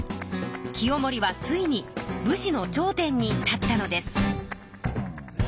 清盛はついに武士の頂点に立ったのです。